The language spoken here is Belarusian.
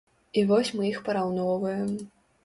І вось мы іх параўноўваем.